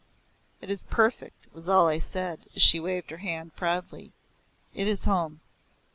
"It is perfect," was all I said as she waved her hand proudly. "It is home."